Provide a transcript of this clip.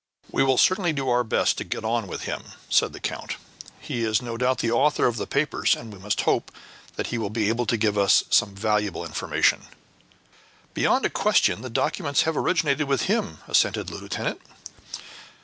"We will certainly do our best to get on with him," said the count. "He is no doubt the author of the papers, and we must hope that he will be able to give us some valuable information." "Beyond a question the documents have originated with him," assented the lieutenant.